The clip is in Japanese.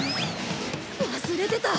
忘れてた！